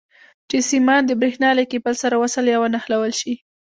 چې سیمان د برېښنا له کیبل سره وصل یا ونښلول شي.